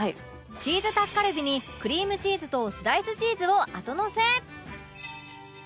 チーズタッカルビにクリームチーズとスライスチーズを後のせ